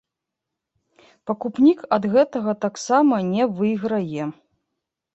Пакупнік ад гэтага таксама не выйграе.